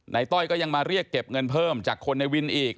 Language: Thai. ต้อยก็ยังมาเรียกเก็บเงินเพิ่มจากคนในวินอีก